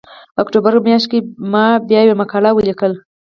اکتوبر میاشت کې ما په یوه مقاله کې ولیکل